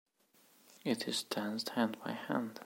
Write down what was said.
It is danced hand by hand.